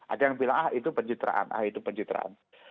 ada yang bilang ah itu pencitraan ah itu pencitraan